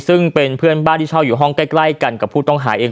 ซึ่งเป็นเพื่อนบ้านที่เช่าอยู่ห้องใกล้กันกับผู้ต้องหาเอง